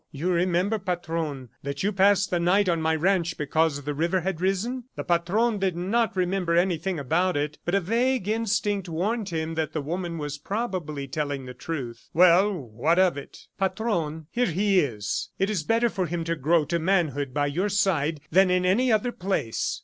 "You remember, Patron, that you passed the night on my ranch because the river had risen?" The Patron did not remember anything about it. But a vague instinct warned him that the woman was probably telling the truth. "Well, what of it?" "Patron, here he is. ... It is better for him to grow to manhood by your side than in any other place."